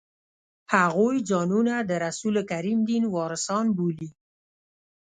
هغوی ځانونه د رسول کریم دین وارثان بولي.